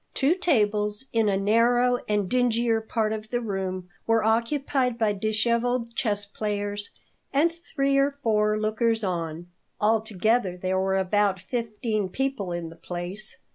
Two tables in a narrow and dingier part of the room were occupied by disheveled chess players and three or four lookers on. Altogether there were about fifteen people in the place.